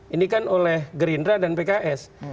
ini kan oleh gerindra dan pks